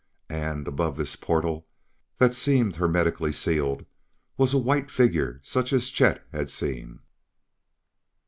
And, above this portal that seemed hermetically sealed, was a white figure such as Chet had seen.